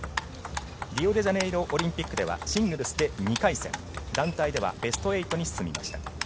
リオデジャネイロオリンピックではシングルスで２回戦団体ではベスト８に進みました。